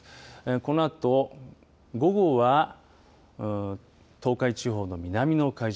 このあと午後は東海地方の南の海上